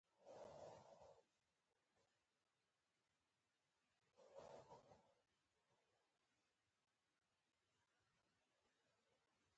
خپل نظر په روښانه توګه وړاندې کړئ.